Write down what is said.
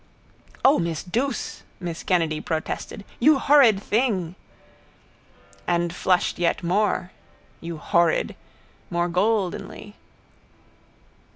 —O, miss Douce! miss Kennedy protested. You horrid thing! And flushed yet more (you horrid!), more goldenly.